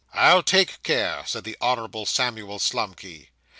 'I'll take care,' said the Honourable Samuel Slumkey.